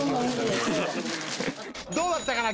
どうだったかな？